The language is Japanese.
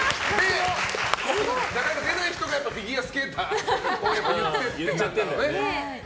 なかなか出ない人はフィギュアスケーターを言っちゃってるだろうね。